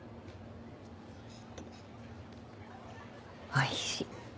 おいしい。